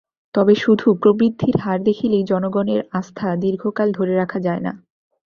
তবে শুধু প্রবৃদ্ধির হার দেখিয়েই জনগণের আস্থা দীর্ঘকাল ধরে রাখা যায় না।